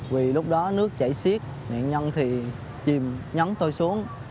vì lúc đó nước chảy xiết nạn nhân thì chìm nhấn tôi xuống